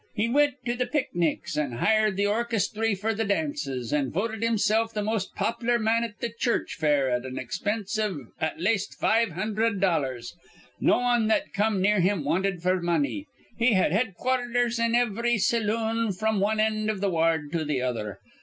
He wint to th' picnics, an' hired th' orchesthry f'r th' dances, an' voted himsilf th' most pop'lar man at th' church fair at an expinse iv at laste five hundherd dollars. No wan that come near him wanted f'r money. He had headquarthers in ivry saloon fr'm wan end iv th' ward to th' other.